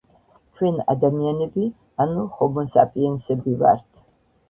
ჩვენ ადამიანები ანუ ჰომოსაპიენსები ვართ